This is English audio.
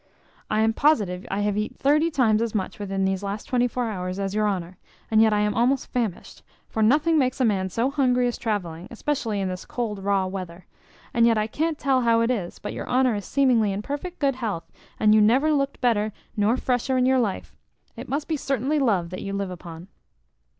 I am positive I have eat thirty times as much within these last twenty four hours as your honour, and yet I am almost famished; for nothing makes a man so hungry as travelling, especially in this cold raw weather. And yet I can't tell how it is, but your honour is seemingly in perfect good health, and you never looked better nor fresher in your life. It must be certainly love that you live upon."